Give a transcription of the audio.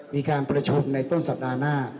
มีการประชุมในต้นสัปดาห์หน้า